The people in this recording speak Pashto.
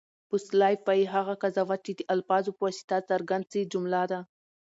بوسلایف وایي، هغه قضاوت، چي د الفاظو په واسطه څرګند سي؛ جمله ده.